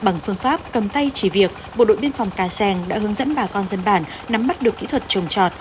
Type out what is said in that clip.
bằng phương pháp cầm tay chỉ việc bộ đội biên phòng cà seng đã hướng dẫn bà con dân bản nắm mắt được kỹ thuật trồng trọt